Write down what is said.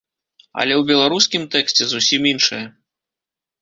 Але ў беларускім тэксце зусім іншае.